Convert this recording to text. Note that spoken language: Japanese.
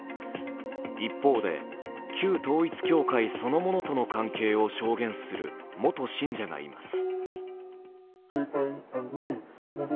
一方で、旧統一教会そのものとの関係を証言する元信者がいます。